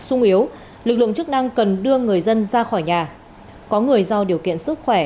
sung yếu lực lượng chức năng cần đưa người dân ra khỏi nhà có người do điều kiện sức khỏe